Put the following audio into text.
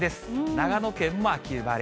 長野県も秋晴れ。